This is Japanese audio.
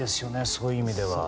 そういう意味では。